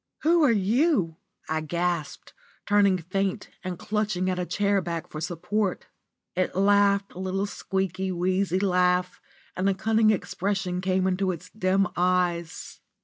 Who are you?" I gasped, turning faint and clutching at a chair back for support. It laughed a little squeaky, wheezy laugh, and a cunning expression came into its dim eyes.